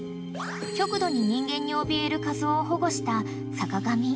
［極度に人間におびえるカズオを保護した坂上］